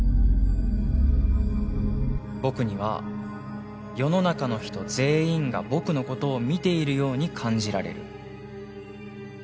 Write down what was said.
僕には世の中の人全員が僕のことを見ているように感じられる。